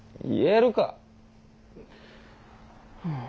言えるか！